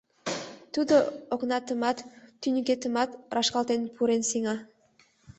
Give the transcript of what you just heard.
Тудо окнатымат, тӱньыкетымат рашкалтен пурен сеҥа.